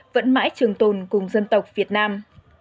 vẫn mãi trường tồn cùng dân tộc việt nam